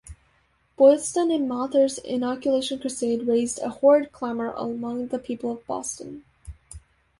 Boylston and Mather's inoculation crusade "raised a horrid Clamour" among the people of Boston.